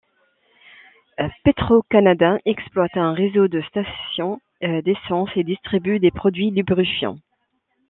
Petro-Canada exploite un réseau de stations d'essence et distribue des produits lubrifiants.